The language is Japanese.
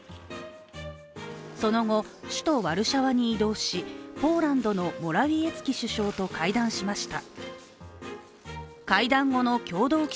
その後、首都ワルシャワに移動し、ポーランドのモラウィエツキ首相と会談しました。